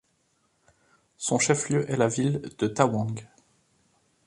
Son chef-lieu est la ville de Tawang.